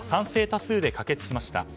多数で可決しました。